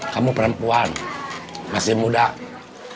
kamu perempuan maksudnya kamu udah berpikir pikir